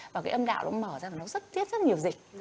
và cái âm đạo nó mở ra và nó rất rất nhiều dịch